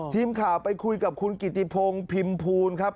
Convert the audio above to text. ทีมข่าวไปคุยกับคุณกิติพงศ์พิมภูลครับ